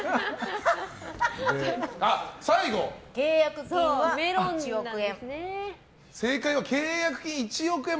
最後、契約金は１億円。